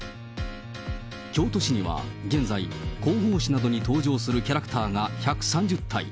京都市には現在、広報誌などに登場するキャラクターが１３０体。